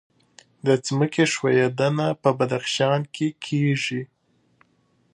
د ځمکې ښویدنه په بدخشان کې کیږي